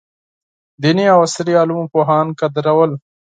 دیني او عصري علومو پوهان قدرول.